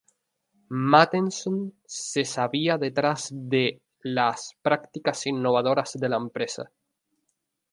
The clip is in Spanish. Matheson se sabia detrás de las prácticas innovadoras de la empresa.